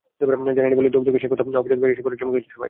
জানেনি বলেই দগদগে সেই ক্ষত অকস্মাৎ বাইরে এসে পড়ায় চমকে গেছে সবাই।